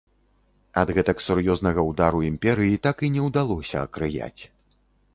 Ад гэтак сур'ёзнага ўдару імперыі так і не ўдалося акрыяць.